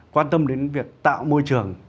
quan tâm đến việc tạo môi trường